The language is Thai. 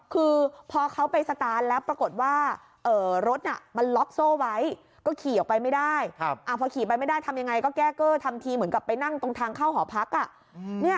คือพอเขาไปสตาร์ทแล้วปรากฏว่าเอ่อรถน่ะมันล็อกโซ่ไว้